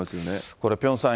これピョンさん